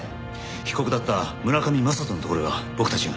被告だった村上雅人のところへは僕たちが。